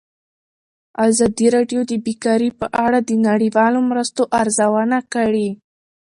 ازادي راډیو د بیکاري په اړه د نړیوالو مرستو ارزونه کړې.